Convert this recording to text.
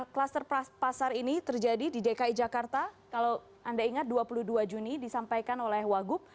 kluster pasar ini terjadi di dki jakarta kalau anda ingat dua puluh dua juni disampaikan oleh wagub